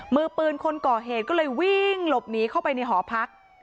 มือปืนคนก่อเหตุก็เลยวิ่งหลบหนีเข้าไปในหอพัก